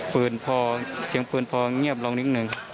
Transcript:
พอเสียงปืนพอเงียบลงนิดนึง